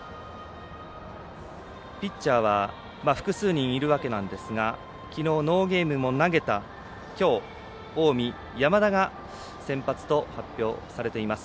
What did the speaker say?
ピッチャーは複数人いるわけなんですがきのうノーゲーム投げたきょう近江、山田が先発と発表されています。